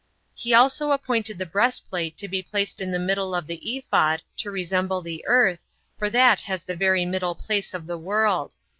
He also appointed the breastplate to be placed in the middle of the ephod, to resemble the earth, for that has the very middle place of the world.